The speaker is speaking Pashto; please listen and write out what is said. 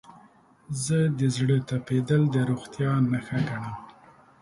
زه د زړه تپیدل د روغتیا نښه ګڼم.